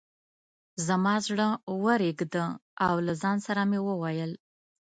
زما زړه ورېږده او له ځان سره مې وویل.